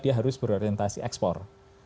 dia harus berorientasi ekspor